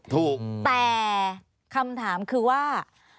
ถูกแต่คำถามคือว่า